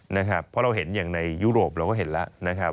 เพราะเราเห็นอย่างในยุโรปเราก็เห็นแล้วนะครับ